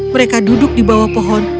mereka duduk di bawah pohon